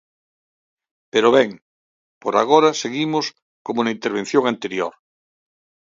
Pero, ben, por agora seguimos como na intervención anterior.